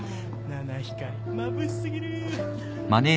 七光まぶしすぎる。